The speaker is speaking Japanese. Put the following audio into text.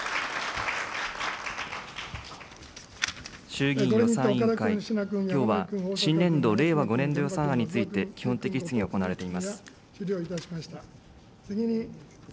衆議院予算委員会、きょうは新年度・令和５年度予算案について、基本的質疑が行われています。